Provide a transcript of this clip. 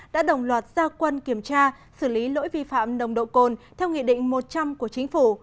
đã đồng loạt gia quân kiểm tra xử lý lỗi vi phạm nồng độ cồn theo nghị định một trăm linh của chính phủ